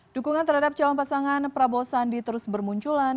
dukungan terhadap calon pasangan prabowo sandi terus bermunculan